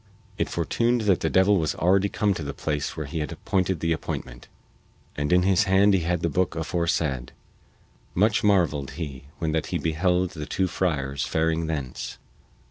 It fortuned that the devil was already come to the place where he had appointed the appointment, and in his hand he had the booke aforesaid. Much marveled he when that he beheld the two friars faring thence.